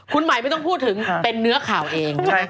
คุณหมายไม่ต้องพูดถึงเป็นเนื้อข่าวเองใช่ไหม